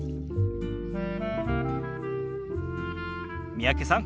三宅さん